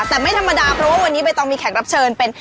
แต่ไม่ธรรมดาเพราะว่าวันนี้ใบตองมีแขกรับเชิญเป็น